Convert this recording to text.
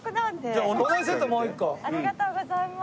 ありがとうございます。